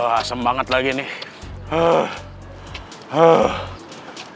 asem banget lagi nih